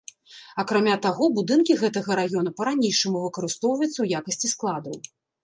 Акрамя таго, будынкі гэтага раёна па-ранейшаму выкарыстоўваюцца ў якасці складаў.